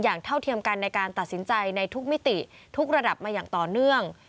เท่าเทียมกันในการตัดสินใจในทุกมิติทุกระดับมาอย่างต่อเนื่อง